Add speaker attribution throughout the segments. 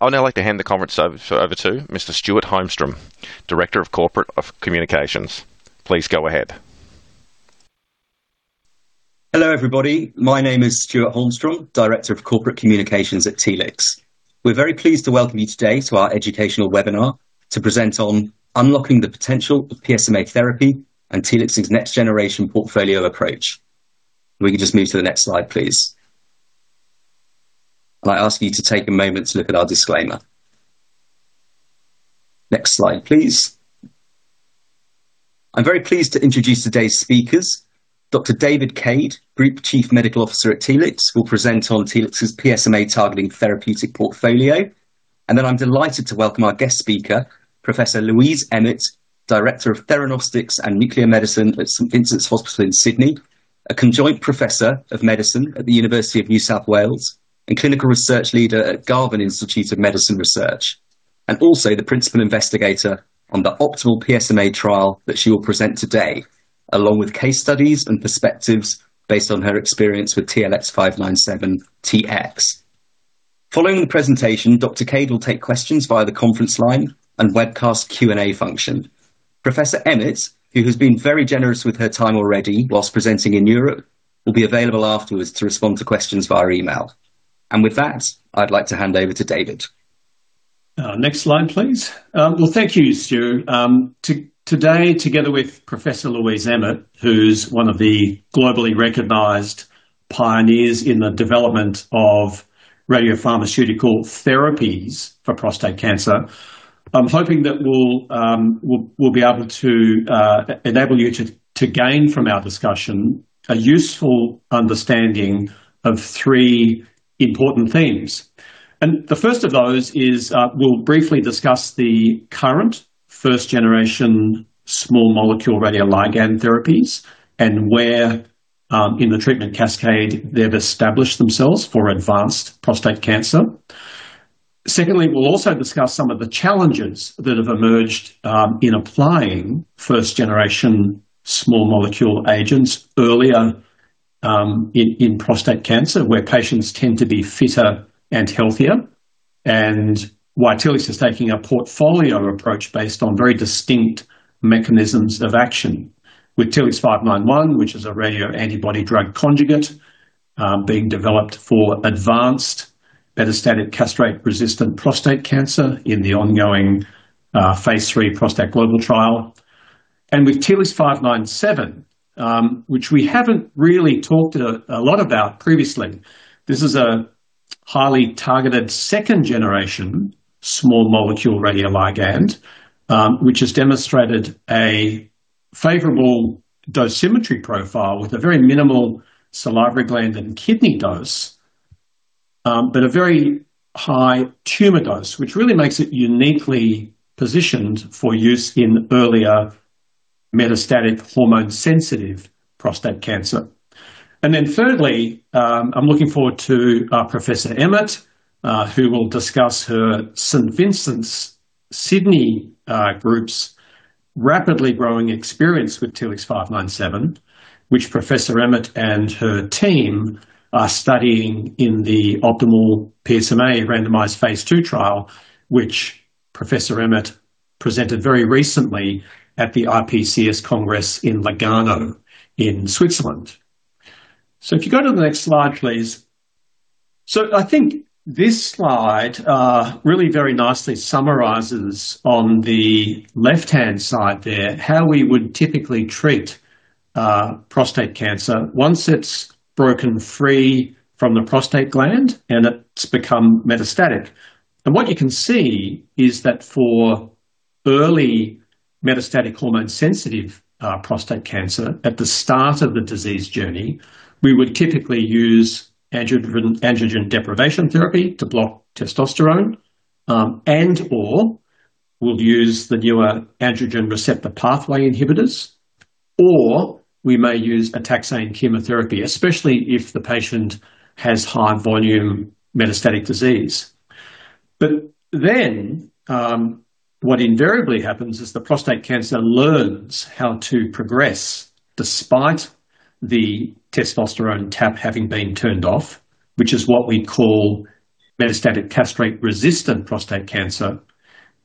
Speaker 1: I would now like to hand the conference over to Mr. Stewart Holmstrom, Director of Corporate Communications. Please go ahead.
Speaker 2: Hello, everybody. My name is Stewart Holmstrom, Director of Corporate Communications at Telix. We're very pleased to welcome you today to our educational webinar to present on unlocking the potential of PSMA therapy and Telix's next generation portfolio approach. We can just move to the next slide, please. I ask you to take a moment to look at our disclaimer. Next slide, please. I'm very pleased to introduce today's speakers. Dr. David Cade, Group Chief Medical Officer at Telix, will present on Telix's PSMA targeting therapeutic portfolio. I'm delighted to welcome our guest speaker, Professor Louise Emmett, Director of Theranostics and Nuclear Medicine at St Vincent's Hospital Sydney, a Conjoint Professor of Medicine at the University of New South Wales, and Clinical Research Leader at Garvan Institute of Medical Research, and also the Principal Investigator on the OPTIMAL-PSMA trial that she will present today, along with case studies and perspectives based on her experience with TLX597-Tx. Following the presentation, Dr. Cade will take questions via the conference line and webcast Q&A function. Professor Emmett, who has been very generous with her time already whilst presenting in Europe, will be available afterwards to respond to questions via email. With that, I'd like to hand over to David.
Speaker 3: Next slide, please. Well, thank you, Stewart. Today, together with Professor Louise Emmett, who's one of the globally recognized pioneers in the development of radiopharmaceutical therapies for prostate cancer, I'm hoping that we'll be able to enable you to gain from our discussion a useful understanding of three important themes. The first of those is, we'll briefly discuss the current first-generation small molecule radioligand therapies and where in the treatment cascade they've established themselves for advanced prostate cancer. Secondly, we'll also discuss some of the challenges that have emerged in applying first-generation small molecule agents earlier in prostate cancer, where patients tend to be fitter and healthier. Why Telix is taking a portfolio approach based on very distinct mechanisms of action. With TLX591-Tx, which is a radioantibody-drug conjugate, being developed for advanced metastatic castration-resistant prostate cancer in the ongoing phase III ProstACT Global trial. With TLX597-Tx, which we haven't really talked a lot about previously. This is a highly targeted second-generation small molecule radioligand, which has demonstrated a favorable dosimetry profile with a very minimal salivary gland and kidney dose, but a very high tumor dose, which really makes it uniquely positioned for use in earlier metastatic hormone-sensitive prostate cancer. Thirdly, I'm looking forward to Professor Emmett, who will discuss her St Vincent's Hospital Sydney group's rapidly growing experience with TLX597-Tx, which Professor Emmett and her team are studying in the OPTIMAL-PSMA randomized phase II trial, which Professor Emmett presented very recently at the IPCS Congress in Lugano, Switzerland. If you go to the next slide, please. I think this slide really very nicely summarizes on the left-hand side there, how we would typically treat prostate cancer once it's broken free from the prostate gland, and it's become metastatic. What you can see is that for early metastatic hormone-sensitive prostate cancer, at the start of the disease journey, we would typically use androgen deprivation therapy to block testosterone. Or we'll use the newer androgen receptor pathway inhibitors, or we may use a taxane chemotherapy, especially if the patient has high volume metastatic disease. What invariably happens is the prostate cancer learns how to progress despite the testosterone tap having been turned off, which is what we call metastatic castration-resistant prostate cancer.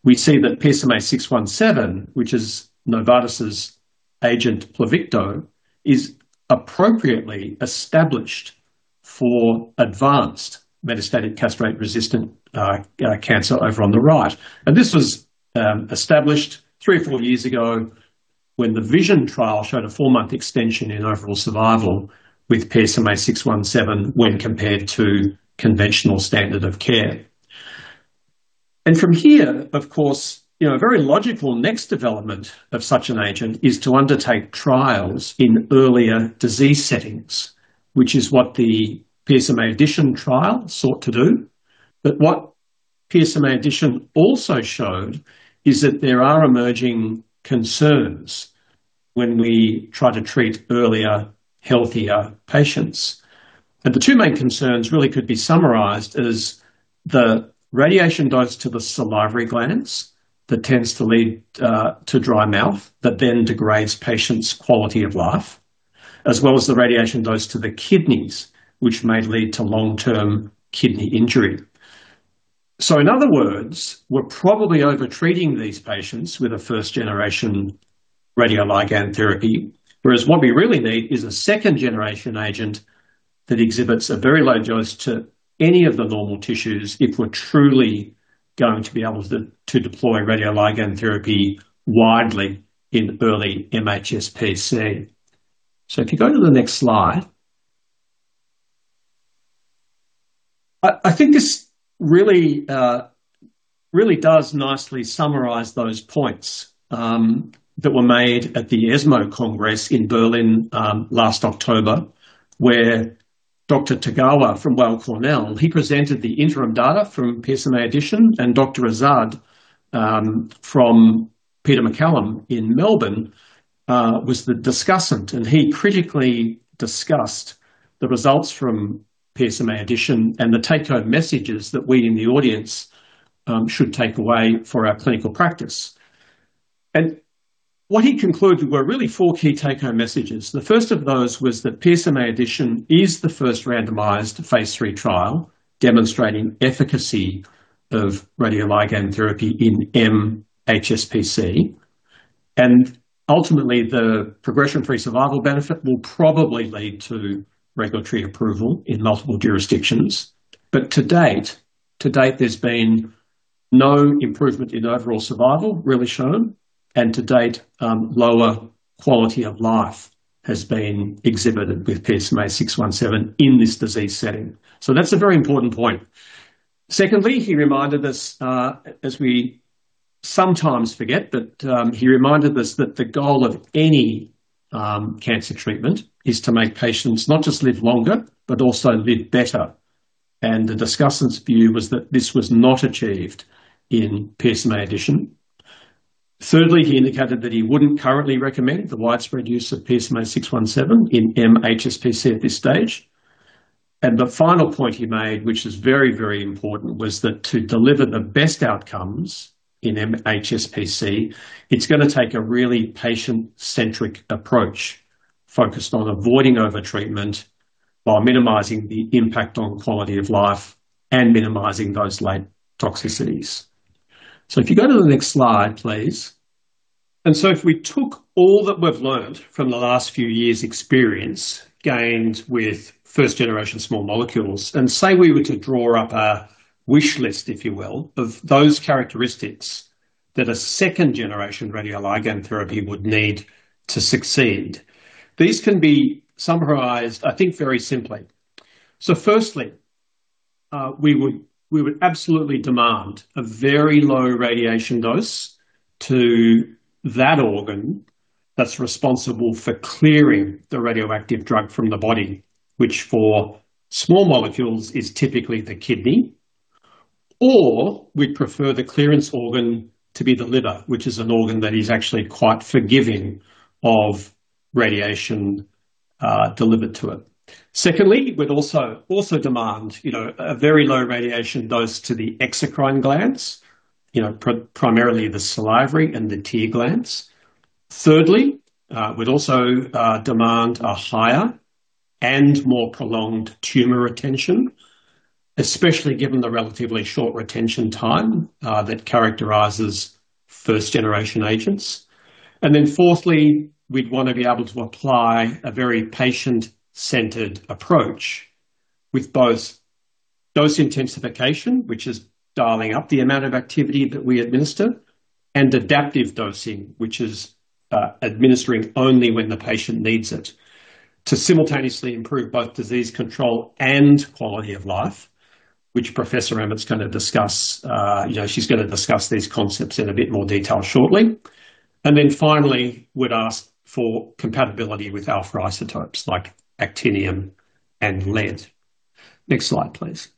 Speaker 3: We see that PSMA-617, which is Novartis' agent Pluvicto, is appropriately established for advanced metastatic castration-resistant cancer over on the right. This was established three or four years ago when the VISION trial showed a four-month extension in overall survival with PSMA-617 when compared to conventional standard of care. From here, of course, you know, a very logical next development of such an agent is to undertake trials in earlier disease settings, which is what the PSMAddition trial sought to do. What PSMAddition also showed is that there are emerging concerns when we try to treat earlier, healthier patients. The two main concerns really could be summarized as the radiation dose to the salivary glands that tends to lead to dry mouth that then degrades patients' quality of life. As well as the radiation dose to the kidneys, which may lead to long-term kidney injury. In other words, we're probably over-treating these patients with a first-generation radioligand therapy, whereas what we really need is a second-generation agent that exhibits a very low dose to any of the normal tissues if we're truly going to be able to deploy radioligand therapy widely in early mHSPC. If you go to the next slide. I think this really does nicely summarize those points that were made at the ESMO Congress in Berlin last October, where Dr. Tagawa from Weill Cornell, he presented the interim data from PSMAddition, and Dr. Azad from Peter MacCallum Cancer Centre in Melbourne was the discussant. He critically discussed the results from PSMAddition and the take-home messages that we in the audience should take away for our clinical practice. What he concluded were really four key take-home messages. The first of those was that PSMAddition is the first randomized phase III trial demonstrating efficacy of radioligand therapy in mHSPC. Ultimately, the progression-free survival benefit will probably lead to regulatory approval in multiple jurisdictions. To date, to date, there's been no improvement in overall survival really shown, and to date, lower quality of life has been exhibited with PSMA-617 in this disease setting. That's a very important point. Secondly, he reminded us, as we sometimes forget that, he reminded us that the goal of any cancer treatment is to make patients not just live longer, but also live better. The discussant's view was that this was not achieved in PSMAddition. Thirdly, he indicated that he wouldn't currently recommend the widespread use of PSMA-617 in mHSPC at this stage. The final point he made, which is very important, was that to deliver the best outcomes in mHSPC, it's gonna take a really patient-centric approach focused on avoiding over-treatment while minimizing the impact on quality of life and minimizing those late toxicities. If you go to the next slide, please. If we took all that we've learned from the last few years' experience gained with first-generation small molecules and say we were to draw up a wish list, if you will, of those characteristics that a second-generation radioligand therapy would need to succeed, these can be summarized, I think, very simply. Firstly, we would absolutely demand a very low radiation dose to that organ that's responsible for clearing the radioactive drug from the body, which for small molecules is typically the kidney, or we'd prefer the clearance organ to be the liver, which is an organ that is actually quite forgiving of radiation delivered to it. Secondly, we'd also demand, you know, a very low radiation dose to the exocrine glands, you know, primarily the salivary and the tear glands. Thirdly, we'd also demand a higher and more prolonged tumor retention, especially given the relatively short retention time that characterizes first-generation agents. Fourthly, we'd wanna be able to apply a very patient-centered approach with both dose intensification, which is dialing up the amount of activity that we administer, and adaptive dosing, which is administering only when the patient needs it to simultaneously improve both disease control and quality of life, which Professor Emmett's gonna discuss. You know, she's gonna discuss these concepts in a bit more detail shortly. Finally, we'd ask for compatibility with alpha isotopes like Actinium and lead. Next slide, please.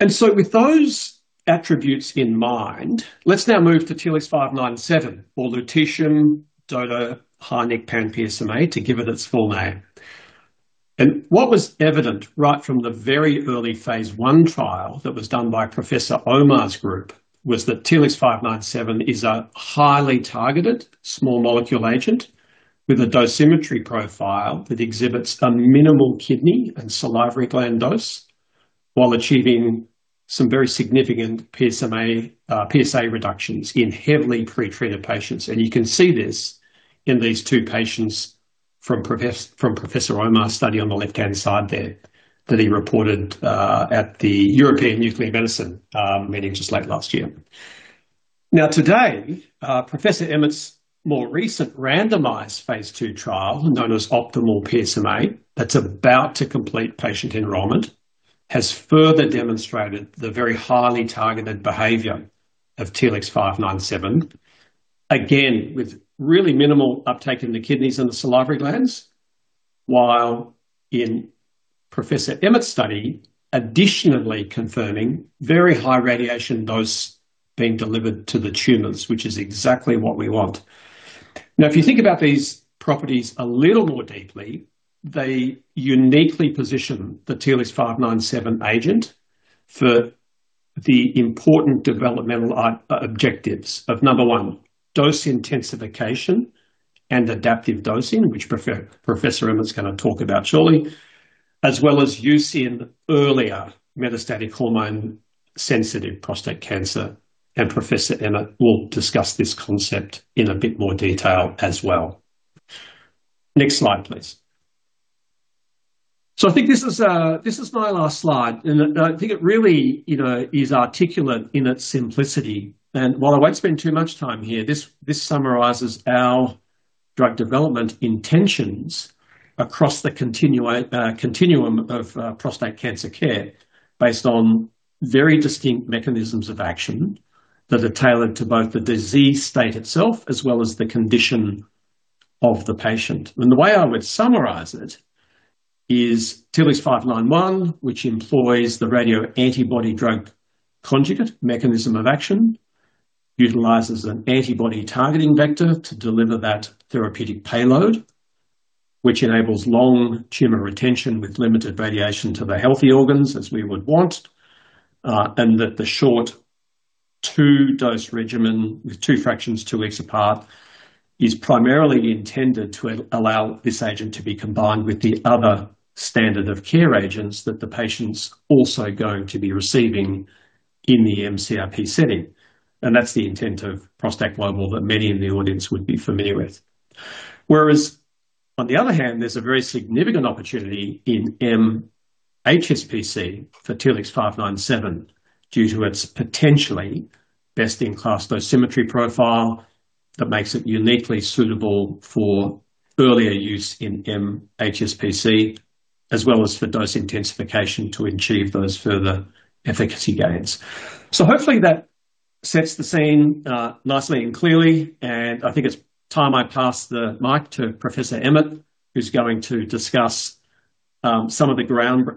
Speaker 3: With those attributes in mind, let's now move to TLX-597-Tx or lutetium DOTA-HYNIC-panPSMA to give it its full name. What was evident right from the very early phase I trial that was done by Professor Omar's group was that TLX597-Tx is a highly targeted small molecule agent with a dosimetry profile that exhibits a minimal kidney and salivary gland dose while achieving some very significant PSMA, PSA reductions in heavily pre-treated patients. You can see this in these two patients from Professor Omar's study on the left-hand side there that he reported at the European Nuclear Medicine meeting just late last year. Now, today, Professor Emmett's more recent randomized phase II trial, known as OPTIMAL-PSMA, that's about to complete patient enrollment, has further demonstrated the very highly targeted behavior of TLX597-Tx, again, with really minimal uptake in the kidneys and the salivary glands, while in Professor Emmett's study, additionally confirming very high radiation dose being delivered to the tumors, which is exactly what we want. Now, if you think about these properties a little more deeply, they uniquely position the TLX597-Tx agent for the important developmental objectives of, number one, dose intensification and adaptive dosing, which Professor Emmett's gonna talk about shortly, as well as use in earlier metastatic hormone-sensitive prostate cancer. Professor Emmett will discuss this concept in a bit more detail as well. Next slide, please. I think this is my last slide, and I think it really, you know, is articulate in its simplicity. While I won't spend too much time here, this summarizes our drug development intentions across the continuum of prostate cancer care based on very distinct mechanisms of action that are tailored to both the disease state itself as well as the condition of the patient. The way I would summarize it is TLX591-Tx, which employs the radioantibody drug conjugate mechanism of action, utilizes an antibody-targeting vector to deliver that therapeutic payload, which enables long tumor retention with limited radiation to the healthy organs, as we would want, and that the short two-dose regimen with two fractions two weeks apart is primarily intended to allow this agent to be combined with the other standard of care agents that the patient's also going to be receiving in the mCRPC setting. That's the intent of ProstACT Global that many in the audience would be familiar with. Whereas, on the other hand, there's a very significant opportunity in mHSPC for TLX597-Tx due to its potentially best-in-class dosimetry profile that makes it uniquely suitable for earlier use in mHSPC, as well as for dose intensification to achieve those further efficacy gains. Hopefully that sets the scene, nicely and clearly. I think it's time I pass the mic to Professor Emmett, who's going to discuss some of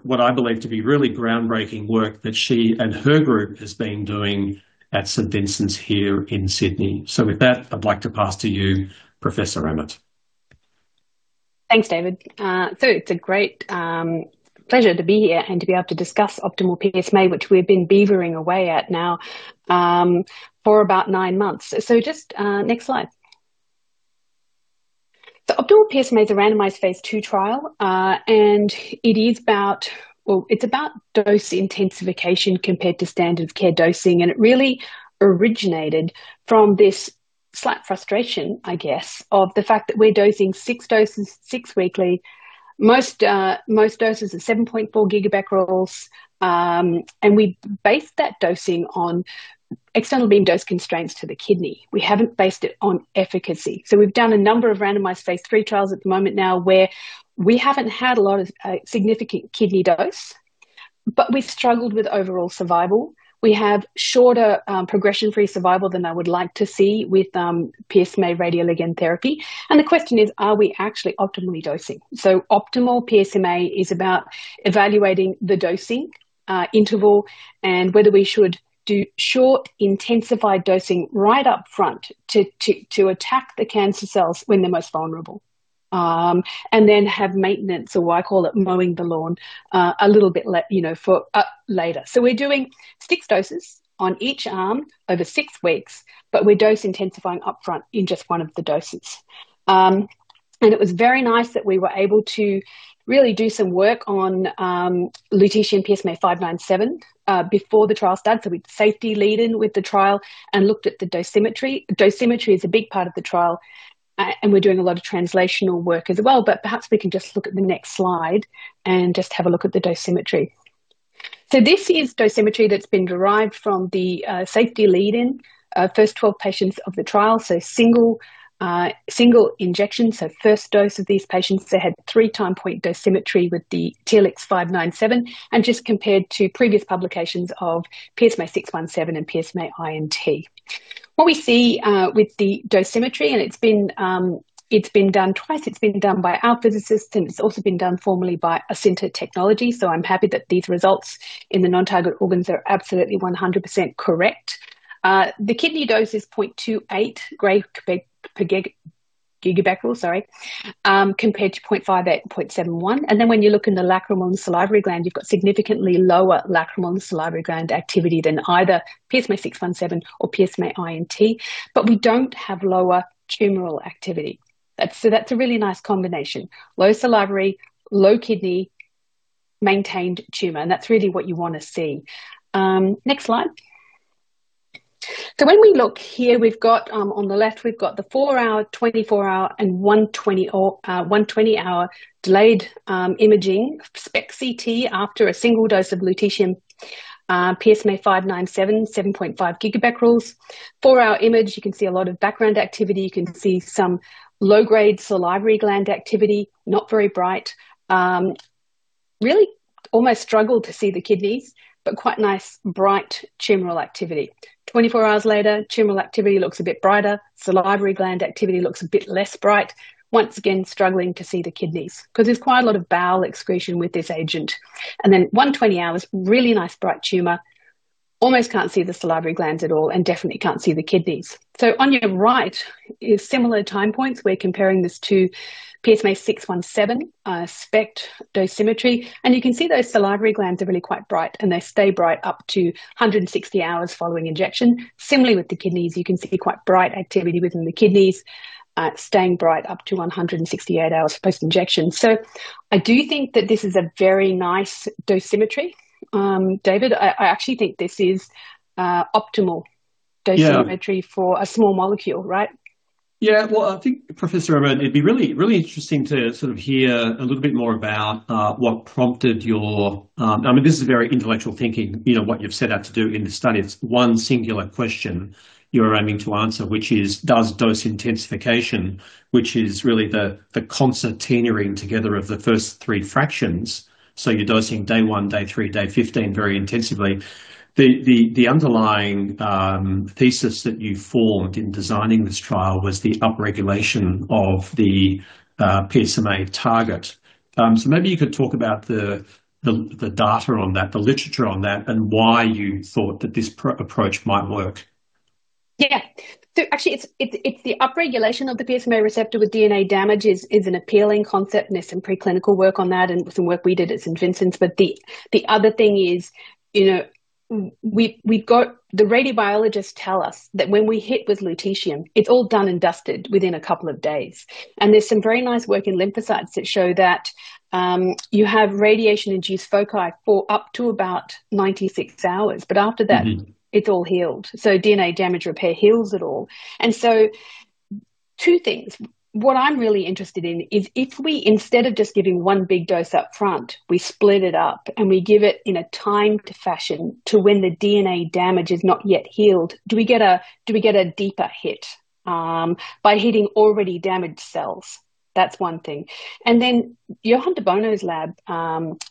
Speaker 3: what I believe to be really groundbreaking work that she and her group has been doing at St. Vincent's here in Sydney. With that, I'd like to pass to you, Professor Emmett.
Speaker 4: Thanks, David. It's a great pleasure to be here and to be able to discuss OPTIMAL-PSMA, which we've been beavering away at now for about nine months. Just next slide. OPTIMAL-PSMA is a randomized phase II trial. Well, it's about dose intensification compared to standard of care dosing. It really originated from this slight frustration, I guess, of the fact that we're dosing six doses six-weekly. Most doses are 7.4 GBq. We based that dosing on external beam dose constraints to the kidney. We haven't based it on efficacy. We've done a number of randomized phase III trials at the moment now where we haven't had a lot of significant kidney dose, but we've struggled with overall survival. We have shorter, progression-free survival than I would like to see with PSMA radioligand therapy. The question is: Are we actually optimally dosing? OPTIMAL-PSMA is about evaluating the dosing interval and whether we should do short intensified dosing right up front to attack the cancer cells when they're most vulnerable. Then have maintenance, or I call it mowing the lawn, a little bit, you know, for later. We're doing six doses on each arm over six weeks, but we're dose intensifying upfront in just one of the doses. It was very nice that we were able to really do some work on lutetium-PSMA-597 before the trial started. We safety lead in with the trial and looked at the dosimetry. Dosimetry is a big part of the trial and we're doing a lot of translational work as well. Perhaps we can just look at the next slide and just have a look at the dosimetry. This is dosimetry that's been derived from the safety lead in, first 12 patients of the trial. Single, single injection, first dose of these patients, they had three time point dosimetry with the TLX597-Tx. Just compared to previous publications of PSMA-617 and PSMA I&T. What we see with the dosimetry, and it's been done twice. It's been done by our physicists, and it's also been done formally by Accenture, so I'm happy that these results in the non-target organs are absolutely 100% correct. The kidney dose is 0.28 gray per GBq, sorry, compared to 0.58 and 0.71. When you look in the lacrimal and salivary gland, you've got significantly lower lacrimal and salivary gland activity than either PSMA-617 or PSMA-I&T, but we don't have lower tumoral activity. That's a really nice combination. Low salivary, low kidney, maintained tumor, and that's really what you wanna see. Next slide. When we look here, we've got on the left, we've got the four-hour, 24-hour, and 120-hour delayed imaging SPECT/CT after a single dose of lutetium-PSMA-597, 7.5 GBq. Four-hour image, you can see a lot of background activity. You can see some low-grade salivary gland activity, not very bright. Really almost struggle to see the kidneys, quite nice bright tumoral activity. 24 hours later, tumoral activity looks a bit brighter. Salivary gland activity looks a bit less bright. Once again, struggling to see the kidneys 'cause there's quite a lot of bowel excretion with this agent. 120 hours, really nice bright tumor. Almost can't see the salivary glands at all and definitely can't see the kidneys. On your right is similar time points. We're comparing this to PSMA-617 SPECT dosimetry. You can see those salivary glands are really quite bright, and they stay bright up to 160 hours following injection. Similarly with the kidneys, you can see quite bright activity within the kidneys, staying bright up to 168 hours post-injection. I do think that this is a very nice dosimetry. David, I actually think this is OPTIMAL-.
Speaker 3: Yeah
Speaker 4: dosimetry for a small molecule, right?
Speaker 3: Well, I think, Professor Emmett, it'd be really, really interesting to sort of hear a little bit more about what prompted your. I mean, this is very intellectual thinking. You know, what you've set out to do in this study is one singular question you're aiming to answer, which is does dose intensification, which is really the concertinaing together of the first three fractions. You're dosing day one, day three, day 15 very intensively. The underlying thesis that you formed in designing this trial was the upregulation of the PSMA target. Maybe you could talk about the data on that, the literature on that, and why you thought that this approach might work.
Speaker 4: Actually it's the upregulation of the PSMA receptor with DNA damage is an appealing concept, and there's some preclinical work on that and some work we did at St Vincent's. The other thing is, you know, we got the radiobiologists tell us that when we hit with lutetium, it's all done and dusted within a couple of days. There's some very nice work in lymphocytes that show that you have radiation-induced foci for up to about 96 hours, but after that.
Speaker 3: Mm-hmm
Speaker 4: it's all healed. DNA damage repair heals it all. Two things. What I'm really interested in is if we instead of just giving one big dose up front, we split it up, and we give it in a timed fashion to when the DNA damage is not yet healed, do we get a deeper hit by hitting already damaged cells? That's one thing. Johann de Bono's lab,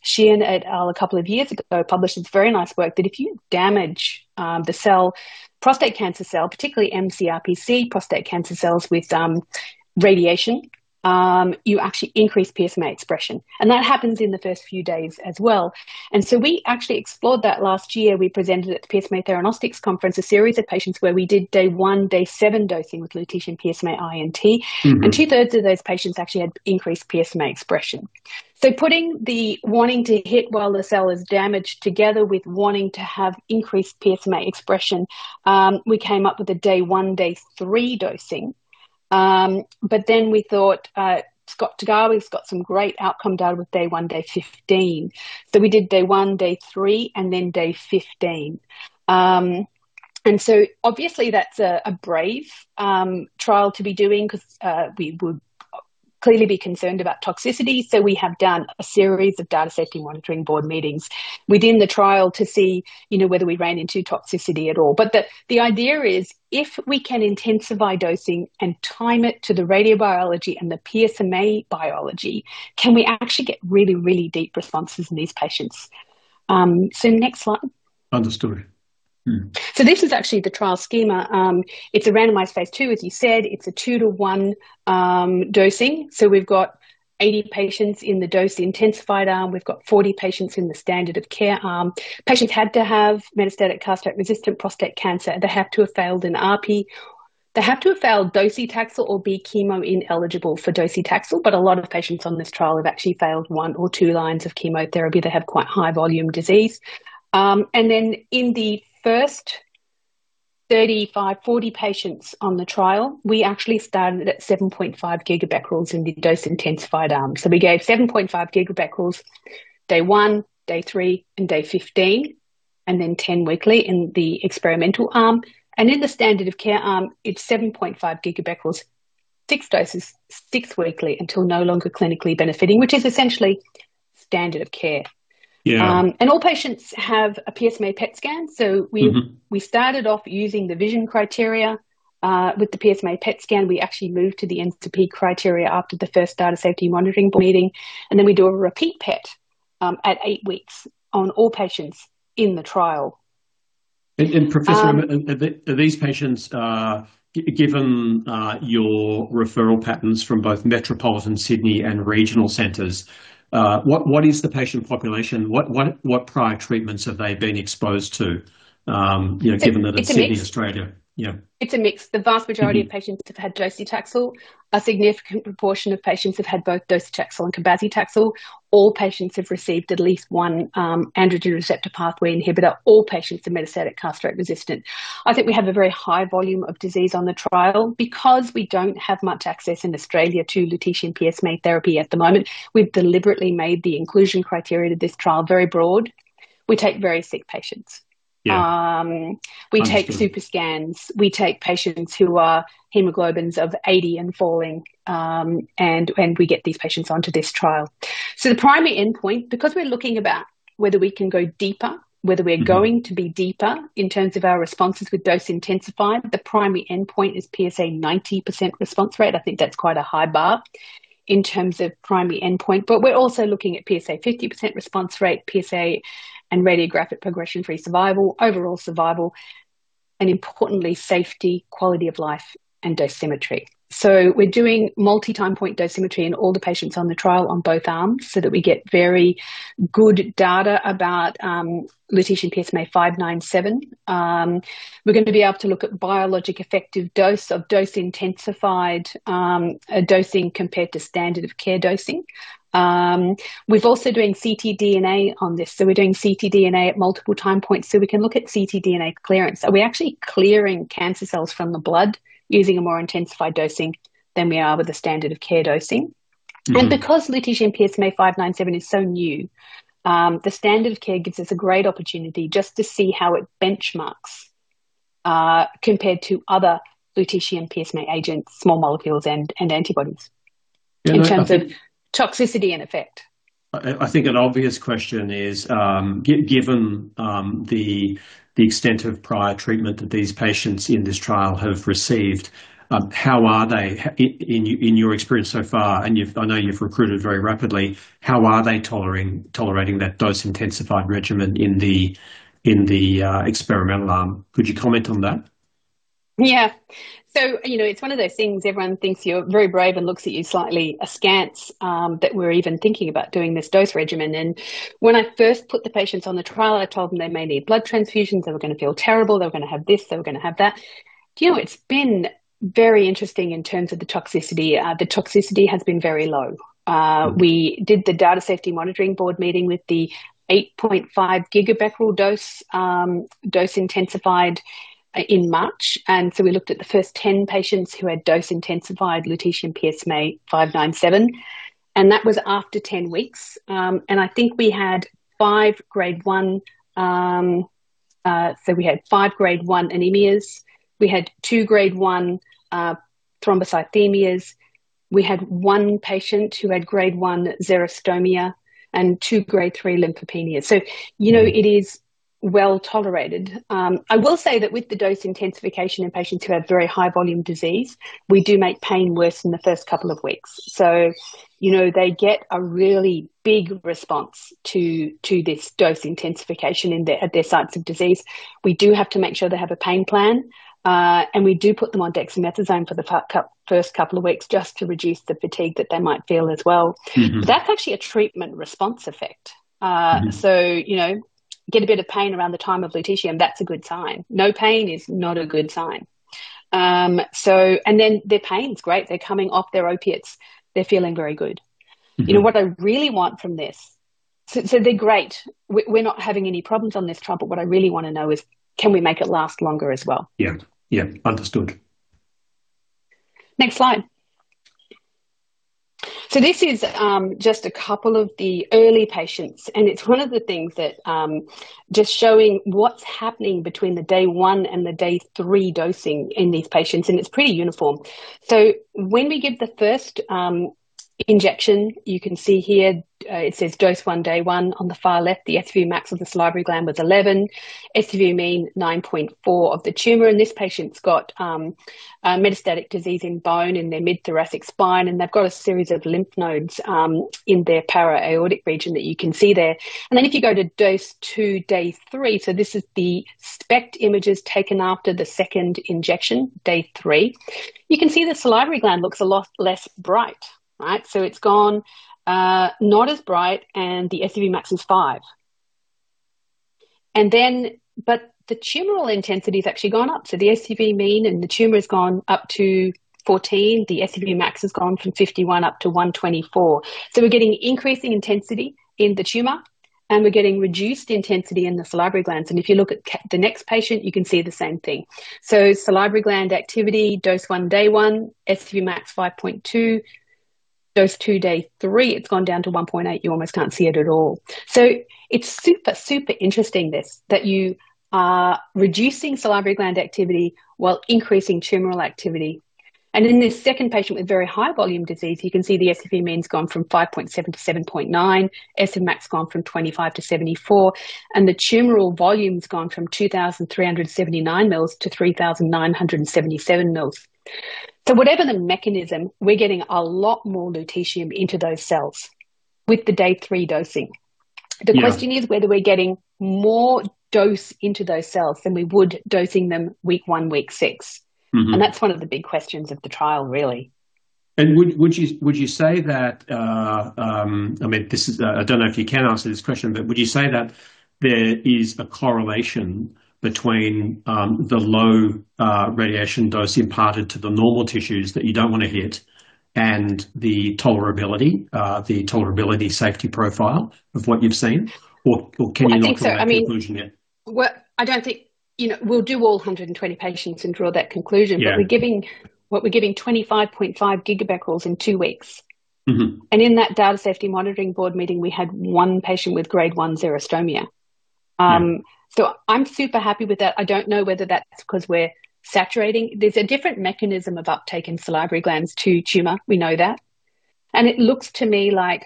Speaker 4: she and et al a couple of years ago published this very nice work that if you damage the cell, prostate cancer cell, particularly mCRPC prostate cancer cells with radiation, you actually increase PSMA expression. That happens in the first few days as well. We actually explored that last year. We presented at the PSMA Theranostics Conference a series of patients where we did day one, day seven dosing with lutetium PSMA-I&T.
Speaker 3: Mm-hmm.
Speaker 4: 2/3 of those patients actually had increased PSMA expression. Putting the wanting to hit while the cell is damaged together with wanting to have increased PSMA expression, we came up with a day one, day three dosing. We thought, Scott Tagawa's got some great outcome data with day one, day fifteen. We did day one, day three, and then day fifteen. Obviously that's a brave trial to be doing 'cause we would clearly be concerned about toxicity, so we have done a series of data safety monitoring board meetings within the trial to see, you know, whether we ran into toxicity at all. The idea is if we can intensify dosing and time it to the radiobiology and the PSMA biology, can we actually get really, really deep responses in these patients? next slide.
Speaker 3: Understood. Mm-hmm.
Speaker 4: This is actually the trial schema. It's a randomized phase II as you said. It's a two to one dosing. We've got 80 patients in the dose-intensified arm. We've got 40 patients in the standard of care arm. Patients had to have metastatic castration-resistant prostate cancer. They have to have failed an ARPI. They have to have failed docetaxel or be chemo-ineligible for docetaxel, but a lot of patients on this trial have actually failed one or two lines of chemotherapy. They have quite high volume disease. And then in the first 35, 40 patients on the trial, we actually started at 7.5 GBq in the dose-intensified arm. We gave 7.5 GBq day one, day three, and day 15, and then ten weekly in the experimental arm. In the standard of care arm, it's 7.5 GBq six doses, six weekly until no longer clinically benefiting, which is essentially standard of care.
Speaker 3: Yeah.
Speaker 4: All patients have a PSMA PET scan.
Speaker 3: Mm-hmm.
Speaker 4: We started off using the VISION criteria with the PSMA PET scan. We actually moved to the NTP criteria after the first data safety monitoring board meeting, we do a repeat PET at eight weeks on all patients in the trial.
Speaker 3: Professor Emmett, are these patients, given your referral patterns from both metropolitan Sydney and regional centers, what is the patient population? What prior treatments have they been exposed to, you know, given that it's Sydney, Australia?
Speaker 4: It's a mix.
Speaker 3: Yeah.
Speaker 4: It's a mix. The vast majority.
Speaker 3: Mm-hmm...
Speaker 4: of patients have had docetaxel. A significant proportion of patients have had both docetaxel and cabazitaxel. All patients have received at least one androgen receptor pathway inhibitor. All patients are metastatic castration-resistant. I think we have a very high volume of disease on the trial. Because we don't have much access in Australia to Lutetium-177 PSMA therapy at the moment, we've deliberately made the inclusion criteria to this trial very broad. We take very sick patients.
Speaker 3: Yeah.
Speaker 4: Um-
Speaker 3: Understood.
Speaker 4: We take super scans. We take patients who are hemoglobins of 80 and falling, and we get these patients onto this trial. The primary endpoint, because we're looking about whether we can go deeper, whether we're going to be deeper in terms of our responses with dose intensified, the primary endpoint is PSA 90% response rate. I think that's quite a high bar in terms of primary endpoint. We're also looking at PSA 50% response rate, PSA and radiographic progression-free survival, overall survival. Importantly, safety, quality of life, and dosimetry. We're doing multi-time point dosimetry in all the patients on the trial on both arms so that we get very good data about lutetium-PSMA-597. We're going to be able to look at biologic effective dose of dose-intensified dosing compared to standard of care dosing. We're also doing ctDNA on this. We're doing ctDNA at multiple time points, so we can look at ctDNA clearance. Are we actually clearing cancer cells from the blood using a more intensified dosing than we are with the standard of care dosing?
Speaker 3: Mm-hmm.
Speaker 4: Because lutetium-PSMA-597 is so new, the standard of care gives us a great opportunity just to see how it benchmarks compared to other lutetium PSMA agents, small molecules, and antibodies.
Speaker 3: Yeah, look.
Speaker 4: In terms of toxicity and effect.
Speaker 3: I think an obvious question is, given the extent of prior treatment that these patients in this trial have received, how are they in your experience so far, and you've I know you've recruited very rapidly, how are they tolerating that dose-intensified regimen in the experimental arm? Could you comment on that?
Speaker 4: Yeah. You know, it's one of those things everyone thinks you're very brave and looks at you slightly askance that we're even thinking about doing this dose regimen. When I first put the patients on the trial, I told them they may need blood transfusions, they were gonna feel terrible, they were gonna have this, they were gonna have that. You know, it's been very interesting in terms of the toxicity. The toxicity has been very low. We did the data safety monitoring board meeting with the 8.5 GBq dose-intensified in March. We looked at the first ten patients who had dose-intensified lutetium-PSMA-597, and that was after ten weeks. I think we had five grade 1, so we had five grade 1 anemias. We had two grade 1 thrombocythemias. We had one patient who had grade 1 xerostomia and two grade 3 lymphopenias.
Speaker 3: Mm-hmm.
Speaker 4: You know, it is well-tolerated. I will say that with the dose intensification in patients who have very high volume disease, we do make pain worse in the first couple of weeks. You know, they get a really big response to this dose intensification in their, at their sites of disease. We do have to make sure they have a pain plan, and we do put them on dexamethasone for the first couple of weeks just to reduce the fatigue that they might feel as well.
Speaker 3: Mm-hmm.
Speaker 4: That's actually a treatment response effect.
Speaker 3: Mm-hmm.
Speaker 4: You know, get a bit of pain around the time of Lutetium-177, that's a good sign. No pain is not a good sign. Their pain's great. They're coming off their opiates. They're feeling very good.
Speaker 3: Mm-hmm.
Speaker 4: You know, what I really want from this. They're great. We're not having any problems on this trial, but what I really wanna know is can we make it last longer as well?
Speaker 3: Yeah. Yeah. Understood.
Speaker 4: Next slide. This is just a couple of the early patients, and it's one of the things that just showing what's happening between the day one and the day three dosing in these patients, and it's pretty uniform. When we give the first injection, you can see here, it says dose one, day one. On the far left, the SUVmax of the salivary gland was 11, SUVmean 9.4 of the tumor, and this patient's got metastatic disease in bone in their mid-thoracic spine, and they've got a series of lymph nodes in their para-aortic region that you can see there. If you go to dose two, day three, this is the SPECT images taken after the second injection, day three. You can see the salivary gland looks a lot less bright. Right? It's gone, not as bright, and the SUVmax is five. The tumoral intensity is actually gone up. The SUVmean in the tumor has gone up to 14. The SUVmax has gone from 51 up to 124. We're getting increasing intensity in the tumor, and we're getting reduced intensity in the salivary glands, and if you look at the next patient, you can see the same thing. Salivary gland activity, dose one, day one, SUVmax 5.2. Dose two, day three, it's gone down to 1.8. You almost can't see it at all. It's super interesting, this, that you are reducing salivary gland activity while increasing tumoral activity. In this second patient with very high volume disease, you can see the SUVmean has gone from 5.7 to 7.9. SUVmax gone from 25 to 74, and the tumoral volume's gone from 2,379 mils to 3,977 mils. Whatever the mechanism, we're getting a lot more Lutetium-177 into those cells with the day three dosing.
Speaker 3: Yeah.
Speaker 4: The question is whether we're getting more dose into those cells than we would dosing them week one, week six.
Speaker 3: Mm-hmm.
Speaker 4: That's one of the big questions of the trial, really.
Speaker 3: Would you say that, I mean, this is, I don't know if you can answer this question, but would you say that there is a correlation between the low radiation dose imparted to the normal tissues that you don't want to hit and the tolerability safety profile of what you've seen? Can you not draw that conclusion yet?
Speaker 4: I think so. I mean, I don't think, you know, we'll do all 120 patients and draw that conclusion.
Speaker 3: Yeah.
Speaker 4: We're giving 25.5 GBq in two weeks.
Speaker 3: Mm-hmm.
Speaker 4: In that data safety monitoring board meeting, we had one patient with grade 1 xerostomia. I'm super happy with that. I don't know whether that's 'cause we're saturating. There's a different mechanism of uptake in salivary glands to tumor. We know that. It looks to me like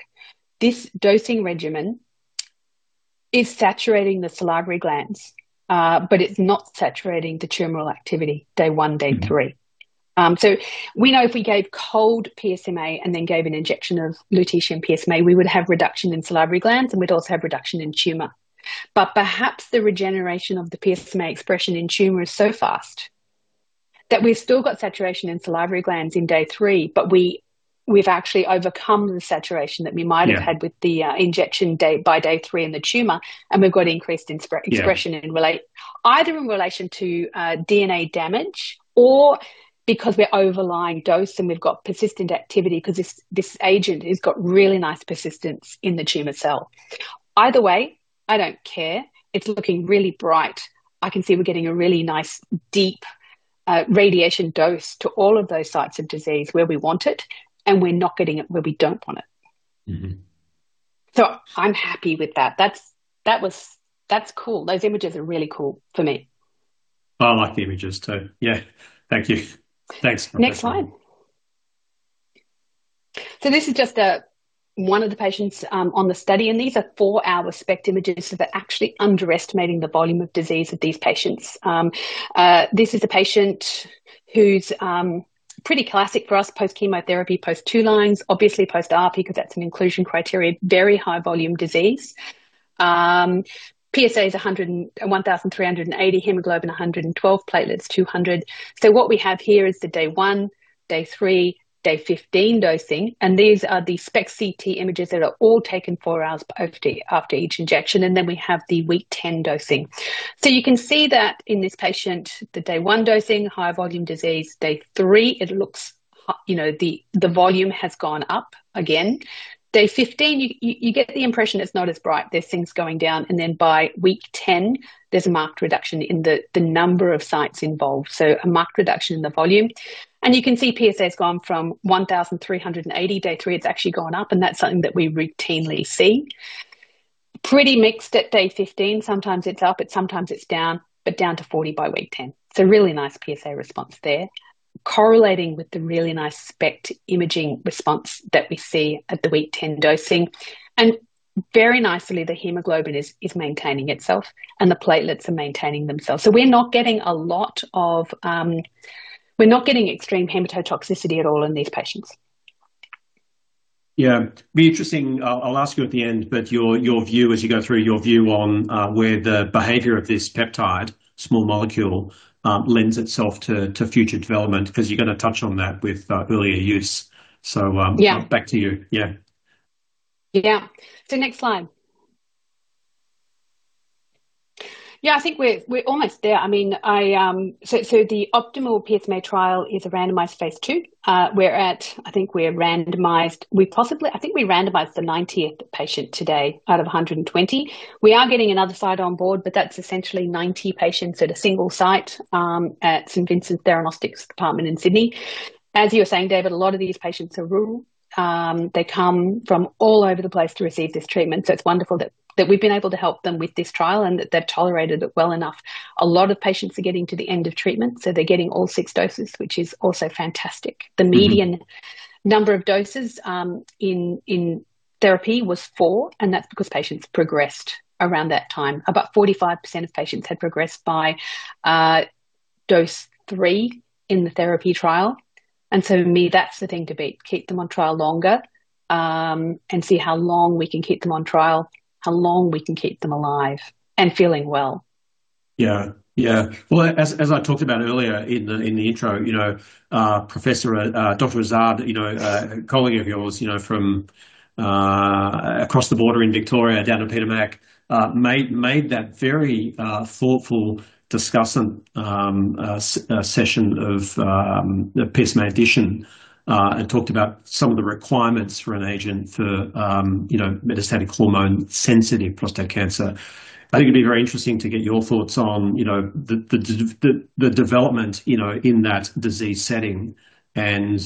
Speaker 4: this dosing regimen is saturating the salivary glands, but it's not saturating the tumoral activity day one, day three. We know if we gave cold PSMA and then gave an injection of Lutetium-177 PSMA, we would have reduction in salivary glands, and we'd also have reduction in tumor. Perhaps the regeneration of the PSMA expression in tumor is so fast that we've still got saturation in salivary glands in day three, but we've actually overcome the saturation that we might have had.
Speaker 3: Yeah...
Speaker 4: with the, injection day by day three in the tumor, and we've got increased.
Speaker 3: Yeah
Speaker 4: Expression either in relation to DNA damage or because we're overlying dose and we've got persistent activity 'cause this agent has got really nice persistence in the tumor cell. Either way, I don't care. It's looking really bright. I can see we're getting a really nice deep radiation dose to all of those sites of disease where we want it, and we're not getting it where we don't want it.
Speaker 3: Mm-hmm.
Speaker 4: I'm happy with that. That's cool. Those images are really cool for me.
Speaker 3: I like the images too. Yeah. Thank you. Thanks, Professor.
Speaker 4: Next slide. This is just one of the patients on the study, and these are four-hour SPECT images, they're actually underestimating the volume of disease of these patients. This is a patient who's pretty classic for us post-chemotherapy, post two-lines, obviously post-ARPI because that's an inclusion criteria, very high volume disease. PSA is 101,380, hemoglobin 112, platelets 200. What we have here is the day one, day three, day 15 dosing, and these are the SPECT/CT images that are all taken four hours after each injection, and then we have the week 10 dosing. You can see that in this patient, the day one dosing, high volume disease. Day three, it looks, you know, the volume has gone up again. Day 15, you get the impression it's not as bright. There's things going down. By week 10, there's a marked reduction in the number of sites involved, so a marked reduction in the volume. You can see PSA's gone from 1,380. Day three, it's actually gone up. That's something that we routinely see. Pretty mixed at day 15. Sometimes it's up, sometimes it's down to 40 by week 10. Really nice PSA response there correlating with the really nice SPECT imaging response that we see at the week 10 dosing. Very nicely, the hemoglobin is maintaining itself. The platelets are maintaining themselves. We're not getting a lot of, we're not getting extreme hematotoxicity at all in these patients.
Speaker 3: It'll be interesting, I'll ask you at the end, but your view as you go through, your view on where the behavior of this peptide, small molecule, lends itself to future development, 'cause you're gonna touch on that with earlier use.
Speaker 4: Yeah
Speaker 3: Back to you. Yeah.
Speaker 4: Next slide. I think we're almost there. I mean, I. The OPTIMAL-PSMA trial is a randomized phase II. We're at, I think we're randomized. I think we randomized the 90th patient today out of 120. We are getting another site on board, but that's essentially 90 patients at a single site, at St Vincent's Hospital Sydney diagnostics department in Sydney. As you were saying, David, a lot of these patients are rural. They come from all over the place to receive this treatment, so it's wonderful that we've been able to help them with this trial and that they've tolerated it well enough. A lot of patients are getting to the end of treatment, so they're getting all six doses, which is also fantastic. The median number of doses in therapy was four, and that's because patients progressed around that time. About 45% of patients had progressed by dose three in the therapy trial. To me, that's the thing to beat, keep them on trial longer, and see how long we can keep them on trial, how long we can keep them alive and feeling well.
Speaker 3: Yeah. Yeah. Well, as I talked about earlier in the intro, you know, Professor, Dr. Azad, you know, a colleague of yours, you know, from across the border in Victoria down in Peter Mac, made that very thoughtful discussant session of PSMAddition, and talked about some of the requirements for an agent for, you know, metastatic hormone-sensitive prostate cancer. I think it'd be very interesting to get your thoughts on, you know, the development, you know, in that disease setting and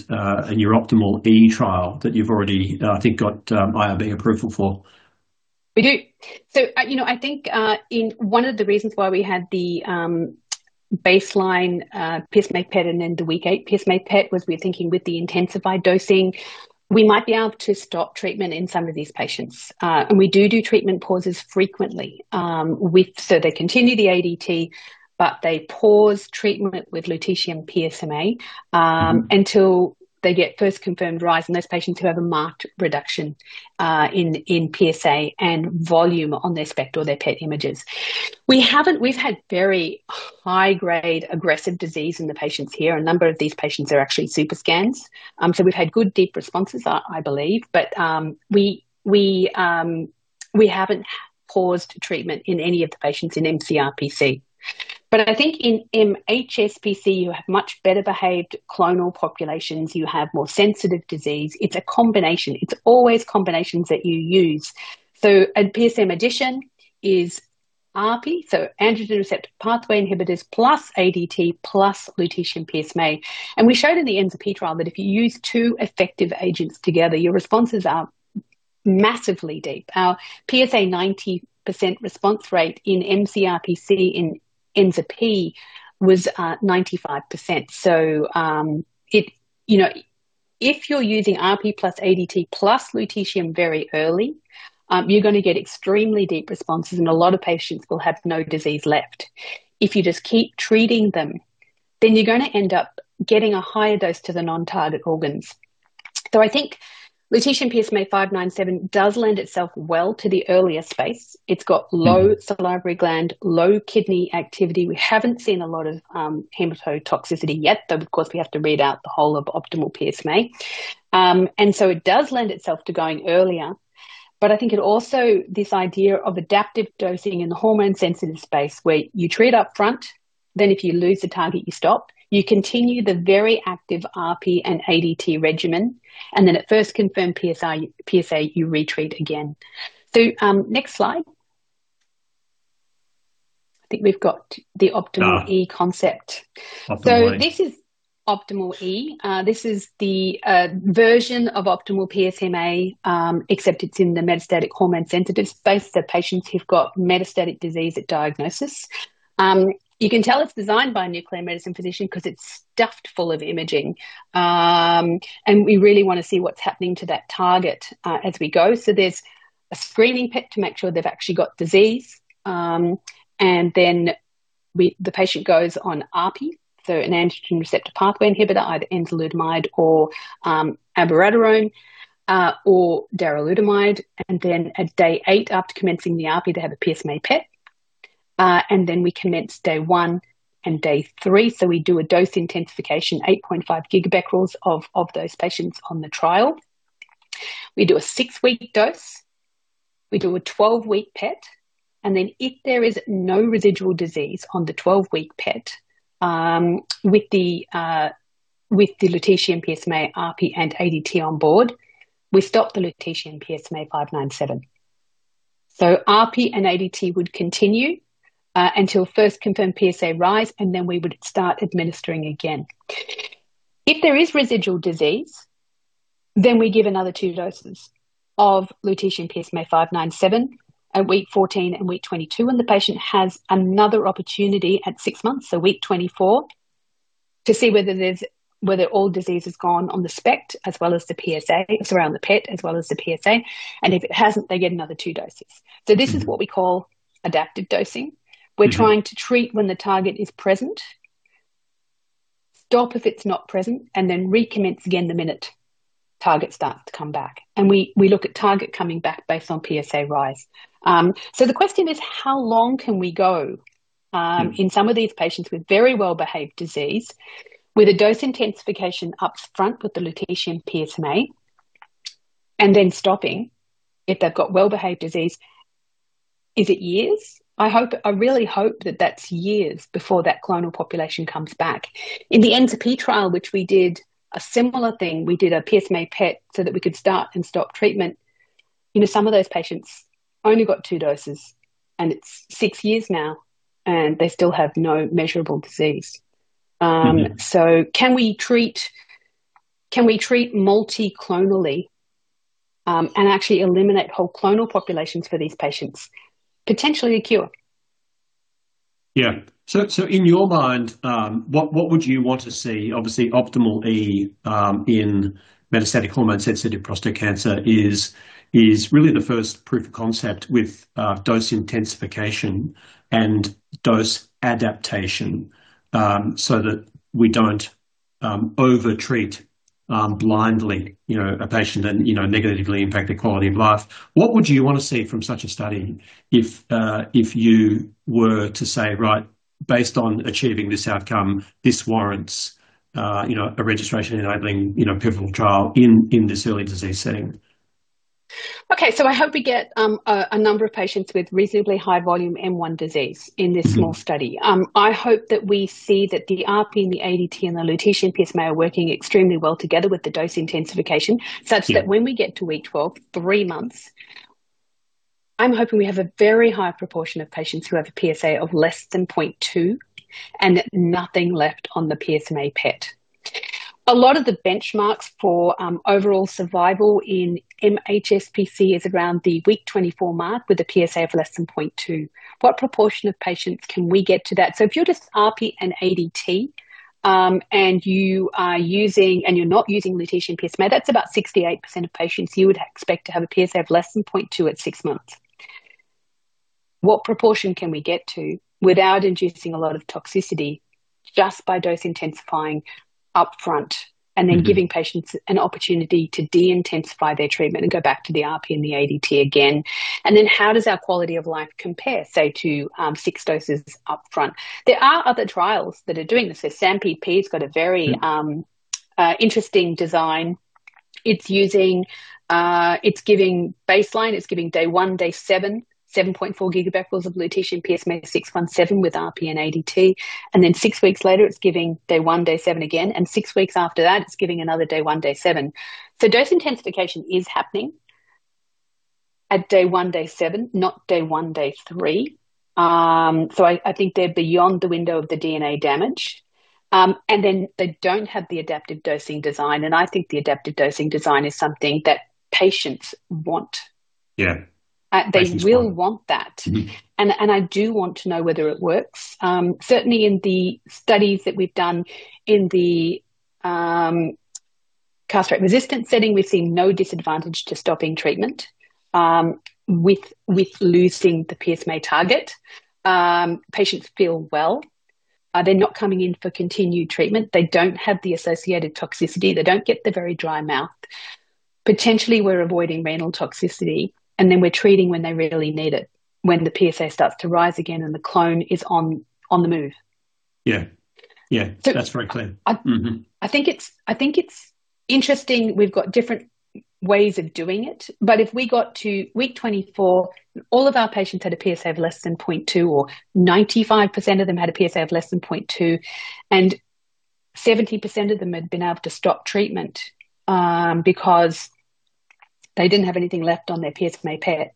Speaker 3: your OPTIMAL-E trial that you've already, I think got, IRB approval for.
Speaker 4: We do. You know, I think, one of the reasons why we had the baseline PSMA PET and then the week eight PSMA PET was we're thinking with the intensified dosing, we might be able to stop treatment in some of these patients. We do treatment pauses frequently. They continue the ADT, but they pause treatment with Lutetium-177 PSMA.
Speaker 3: Mm-hmm
Speaker 4: Until they get first confirmed rise in those patients who have a marked reduction in PSA and volume on their SPECT or their PET images. We've had very high-grade aggressive disease in the patients here. A number of these patients are actually super scans. We've had good deep responses, I believe. We haven't paused treatment in any of the patients in mCRPC. I think in mHSPC, you have much better behaved clonal populations. You have more sensitive disease. It's a combination. It's always combinations that you use. At PSMAddition is ARPI, androgen receptor pathway inhibitors plus ADT plus lutetium PSMA. We showed in the ENZA-p trial that if you use two effective agents together, your responses are massively deep. Our PSA 90% response rate in mCRPC in ENZA-p was 95%. You know, if you're using ARPI + ADT + lutetium very early, you're gonna get extremely deep responses, and a lot of patients will have no disease left. If you just keep treating them, then you're gonna end up getting a higher dose to the non-target organs. I think lutetium-PSMA-597 does lend itself well to the earlier space. It's got low salivary gland, low kidney activity. We haven't seen a lot of hematotoxicity yet, though of course, we have to read out the whole of OPTIMAL-PSMA. It does lend itself to going earlier. I think it also, this idea of adaptive dosing in the hormone-sensitive space where you treat up front, then if you lose the target, you stop. You continue the very active ARPI and ADT regimen, and then at first confirmed PSI, PSA, you retreat again. Next slide. I think we've got the OPTIMAL-
Speaker 3: Ah.
Speaker 4: E concept.
Speaker 3: OPTIMAL-E.
Speaker 4: This is OPTIMAL-E. This is the version of OPTIMAL-PSMA, except it's in the metastatic hormone-sensitive space, so patients who've got metastatic disease at diagnosis. You can tell it's designed by a nuclear medicine physician because it's stuffed full of imaging. And we really want to see what's happening to that target as we go. There's a screening PSMA PET to make sure they've actually got disease. And then we, the patient goes on ARPI, so an androgen receptor pathway inhibitor, either enzalutamide or abiraterone or darolutamide, and then at day eight after commencing the ARPI, they have a PSMA PET. And then we commence day one and day three, so we do a dose intensification, 8.5 GBq of those patients on the trial. We do a six-week dose. We do a 12-week PET. If there is no residual disease on the 12-week PET, with the Lutetium-177 PSMA, ARPI, and ADT on board, we stop the Lutetium-177 PSMA-597. ARPI and ADT would continue until first confirmed PSA rise. We would start administering again. If there is residual disease, then we give another two doses of Lutetium-177 PSMA-597 at week 14 and week 22 when the patient has another opportunity at six months, so week 24, to see whether all disease has gone on the SPECT as well as the PSA, sorry on the PET as well as the PSA, and if it hasn't, they get another two doses. This is what we call adaptive dosing.
Speaker 3: Mm-hmm.
Speaker 4: We're trying to treat when the target is present, stop if it's not present, and then recommence again the minute target starts to come back. We look at target coming back based on PSA rise. The question is how long can we go?
Speaker 3: Mm.
Speaker 4: In some of these patients with very well-behaved disease with a dose intensification up front with the Lutetium-177 PSMA and then stopping if they've got well-behaved disease, is it years? I hope, I really hope that that's years before that clonal population comes back. In the NeCAP trial, which we did a similar thing, we did a PSMA PET so that we could start and stop treatment. You know, some of those patients only got two doses, and it's six years now, and they still have no measurable disease.
Speaker 3: Mm-hmm.
Speaker 4: Can we treat multi-clonally, and actually eliminate whole clonal populations for these patients? Potentially a cure.
Speaker 3: In your mind, what would you want to see? Obviously, OPTIMAL-E in metastatic hormone-sensitive prostate cancer is really the first proof of concept with dose intensification and dose adaptation so that we don't over-treat blindly, you know, a patient and, you know, negatively impact their quality of life. What would you wanna see from such a study if you were to say, "Right, based on achieving this outcome, this warrants, you know, a registration-enabling, you know, pivotal trial in this early disease setting"?
Speaker 4: I hope we get a number of patients with reasonably high volume M1 disease in this small study. I hope that we see that the ARPI and the ADT and the Lutetium-177 PSMA are working extremely well together with the dose intensification such that when we get to week 12, three months, I'm hoping we have a very high proportion of patients who have a PSA of less than 0.2 and nothing left on the PSMA PET. A lot of the benchmarks for overall survival in MHSPC is around the week 24 mark with a PSA of less than 0.2. What proportion of patients can we get to that? If you're just ARPI and ADT, and you are using, and you're not using Lutetium-177 PSMA, that's about 68% of patients you would expect to have a PSA of less than 0.2 at six months. What proportion can we get to without inducing a lot of toxicity just by dose intensifying up front and then giving patients an opportunity to de-intensify their treatment and go back to the ARPI and the ADT again? How does our quality of life compare, say to, six doses up front? There are other trials that are doing this. SAMPP's got a very
Speaker 3: Mm.
Speaker 4: Interesting design. It's using, it's giving baseline, it's giving day one, day 7.4 GBq of Lutetium-177 PSMA-617 with ARPI and ADT. Then six weeks later, it's giving day one, day seven again. Six weeks after that, it's giving another day one, day seven. I think they're beyond the window of the DNA damage. They don't have the adaptive dosing design. I think the adaptive dosing design is something that patients want.
Speaker 3: Yeah.
Speaker 4: They will want that.
Speaker 3: Mm-hmm.
Speaker 4: I do want to know whether it works. Certainly in the studies that we've done in the castrate-resistant setting, we've seen no disadvantage to stopping treatment with losing the PSMA target. Patients feel well. They're not coming in for continued treatment. They don't have the associated toxicity. They don't get the very dry mouth. Potentially, we're avoiding renal toxicity, then we're treating when they really need it, when the PSA starts to rise again and the clone is on the move.
Speaker 3: Yeah. Yeah. That's very clear. Mm-hmm.
Speaker 4: I think it's interesting we've got different ways of doing it, but if we got to week 24, all of our patients had a PSA of less than 0.2 or 95% of them had a PSA of less than 0.2, and 70% of them had been able to stop treatment, because they didn't have anything left on their PSMA PET.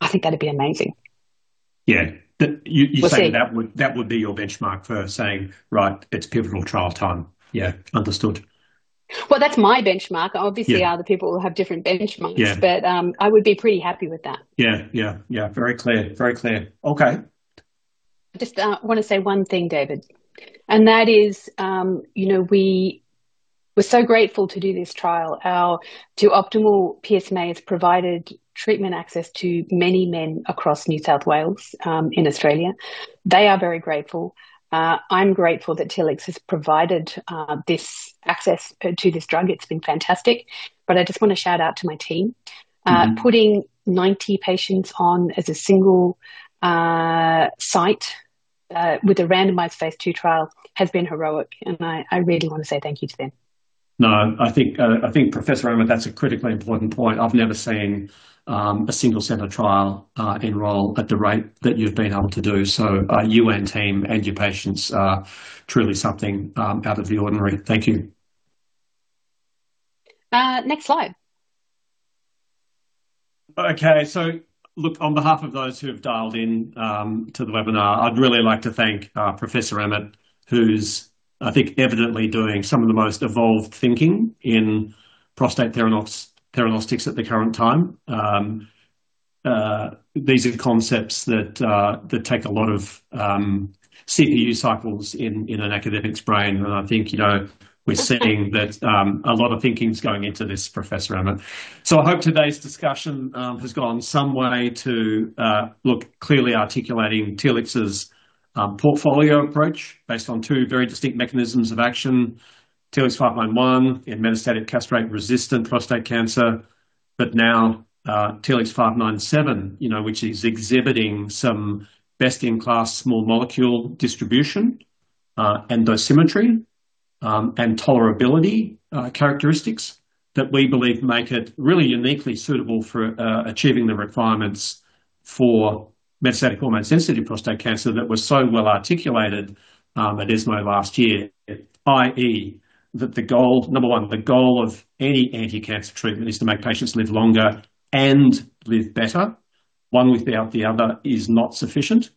Speaker 4: I think that'd be amazing.
Speaker 3: Yeah. You're saying that would be your benchmark for saying, "Right, it's pivotal trial time." Yeah, understood.
Speaker 4: Well, that's my benchmark. Obviously, other people will have different benchmarks.
Speaker 3: Yeah.
Speaker 4: I would be pretty happy with that.
Speaker 3: Yeah. Yeah. Yeah. Very clear. Very clear. Okay.
Speaker 4: Just wanna say one thing, David, that is, you know, we were so grateful to do this trial. OPTIMAL-PSMA has provided treatment access to many men across New South Wales in Australia. They are very grateful. I'm grateful that Telix has provided this access to this drug. It's been fantastic. I just wanna shout out to my team. Putting 90 patients on as a single site with a randomized phase II trial has been heroic, I really wanna say thank you to them.
Speaker 3: No, I think, I think, Louise Emmett, that's a critically important point. I've never seen, a single center trial, enroll at the rate that you've been able to do. You and team and your patients are truly something, out of the ordinary. Thank you.
Speaker 4: Next slide.
Speaker 3: Okay. Look, on behalf of those who have dialed in to the webinar, I'd really like to thank Professor Emmett, who's, I think, evidently doing some of the most evolved thinking in prostate theranostics at the current time. These are the concepts that take a lot of CPU cycles in an academic's brain. I think, you know, we're seeing that a lot of thinking's going into this, Professor Emmett. I hope today's discussion has gone some way to look, clearly articulating Telix's portfolio approach based on two very distinct mechanisms of action, TLX591-Tx in metastatic castration-resistant prostate cancer, but now, TLX597-Tx, you know, which is exhibiting some best-in-class small molecule distribution and dosimetry and tolerability characteristics that we believe make it really uniquely suitable for achieving the requirements for metastatic hormone-sensitive prostate cancer that was so well articulated at ESMO last year, i.e., that the goal of any anti-cancer treatment is to make patients live longer and live better. One without the other is not sufficient.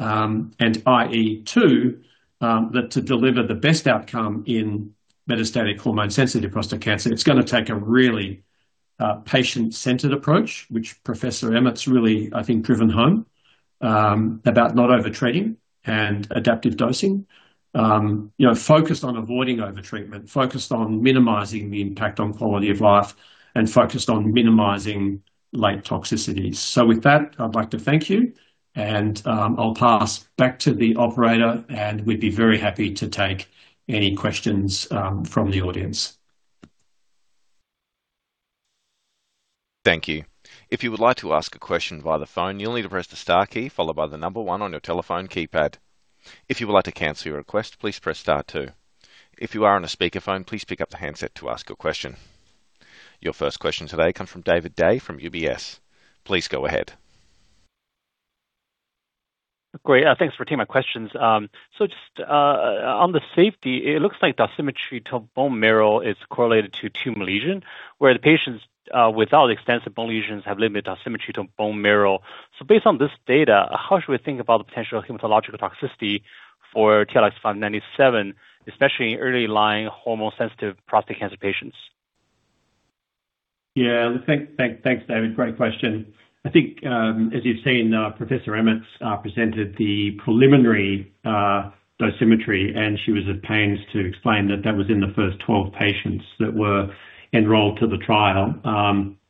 Speaker 3: I.e., two, that to deliver the best outcome in metastatic hormone-sensitive prostate cancer, it's gonna take a really patient-centered approach, which Professor Emmett's really, I think, driven home, about not over-treating and adaptive dosing, you know, focused on avoiding over-treatment, focused on minimizing the impact on quality of life, and focused on minimizing late toxicities. With that, I'd like to thank you. I'll pass back to the operator. We'd be very happy to take any questions from the audience.
Speaker 1: Thank you. If you would like to ask a question via the phone, you'll need to press the star key followed by one on your telephone keypad. If you would like to cancel your request, please press star two. If you are on a speakerphone, please pick up the handset to ask your question. Your first question today comes from David Dai from UBS. Please go ahead.
Speaker 5: Great. Thanks for taking my questions. Just on the safety, it looks like dosimetry to bone marrow is correlated to tumor lesion, where the patients without extensive bone lesions have limited dosimetry to bone marrow. Based on this data, how should we think about the potential hematological toxicity for TLX597-Tx, especially in early-line hormone-sensitive prostate cancer patients?
Speaker 3: Yeah. Thanks, David. Great question. I think, as you've seen, Professor Emmett presented the preliminary dosimetry, and she was at pains to explain that that was in the first 12 patients that were enrolled to the trial.